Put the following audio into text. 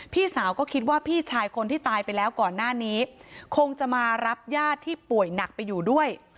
พี่สาวก็คิดว่าพี่ชายคนที่ตายไปแล้วก่อนหน้านี้คงจะมารับญาติที่ป่วยหนักไปอยู่ด้วย